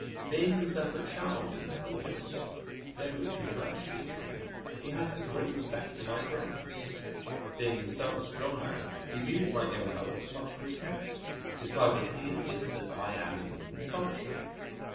Being himself a child in intelligence (tho' commercially cunning), he has a great respect for my brains. Being himself a strong man, he views my ill health with much contempt. His private opinion is that I am in consumption.